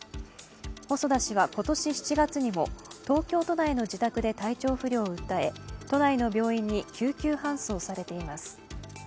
細田氏は今年７月にも東京都内の自宅で体調不良を訴え都内の病院に救急搬送されています。